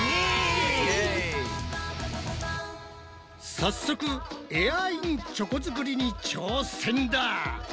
早速エアインチョコ作りに挑戦だ！